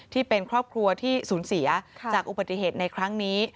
ที่เป็นครอบครัวที่สูญเสียจากอุบัติเหตุในครั้งนี้